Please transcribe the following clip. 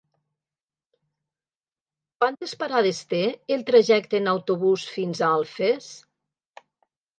Quantes parades té el trajecte en autobús fins a Alfés?